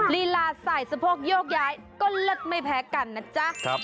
ลีลาใส่สะโพกโยกย้ายก็เลิศไม่แพ้กันนะจ๊ะ